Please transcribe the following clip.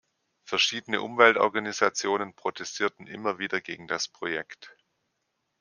Verschiedene Umweltorganisationen protestierten immer wieder gegen das Projekt.